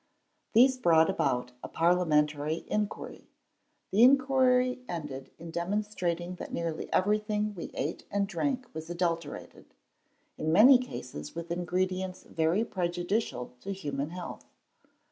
These brought about a parliamentary inquiry; the inquiry ended in demonstrating that nearly everything we ate and drank was adulterated in many cases with ingredients very prejudicial to human health.